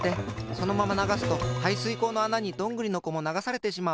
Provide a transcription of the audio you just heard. そのままながすとはいすいこうのあなにどんぐりのこもながされてしまう。